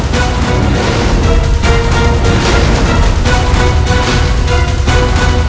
kau bakal milep aglevel